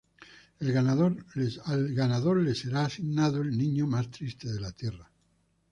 El ganador le será asignado el niño más triste de la Tierra.